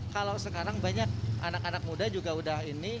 kalau sekarang banyak anak anak muda juga udah ini